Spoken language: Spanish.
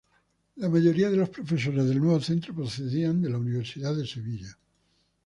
La mayoría de los profesores del nuevo centro procedían de la Universidad de Sevilla.